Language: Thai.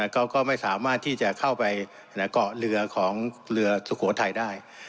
ก็ไม่สามารถที่จะเข้าไปเกาะเรือของเรือสุโขทัยได้